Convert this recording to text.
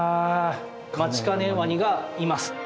マチカネワニがいます。